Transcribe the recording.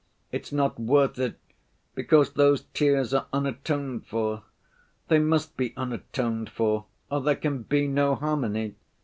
It's not worth it, because those tears are unatoned for. They must be atoned for, or there can be no harmony.